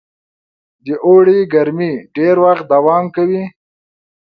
د اوړي ګرمۍ ډېر وخت دوام کوي.